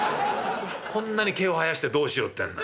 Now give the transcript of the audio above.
こんなに毛を生やしてどうしろってんだ。